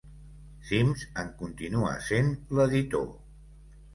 Sims en continua sent l'editor.